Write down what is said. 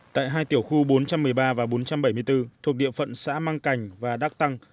tại hai tiểu khu bốn trăm một mươi ba và bốn trăm bảy mươi bốn thuộc địa phận xã mang cành và đắc tăng